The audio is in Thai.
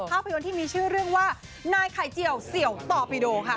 ภาพยนตร์ที่มีชื่อเรื่องว่านายไข่เจียวเสี่ยวต่อปีโดค่ะ